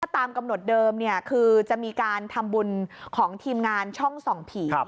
ตามกำหนดเดิมคือจะมีการทำบุญของทีมงานช่องส่องผี